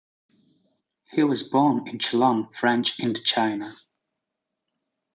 He was born in Cholon, French Indochina.